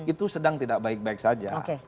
itu sedang tidak baik baik saja